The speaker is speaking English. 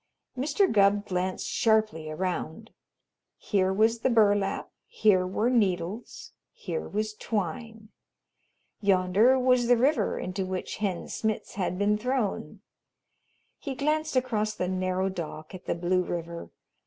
Mr. Gubb glanced sharply around. Here was the burlap, here were needles, here was twine. Yonder was the river into which Hen Smitz had been thrown. He glanced across the narrow dock at the blue river.